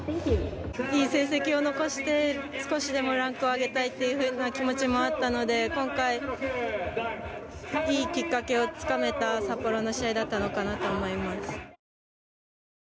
良い成績を残して、少しでもランクを上げたいという気持ちがあったので、今回いいきっかけを掴めた、札幌の試合だったと思います。